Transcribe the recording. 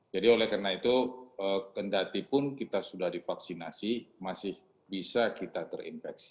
jadi oleh karena itu kendatipun kita sudah divaksinasi masih bisa kita terinfeksi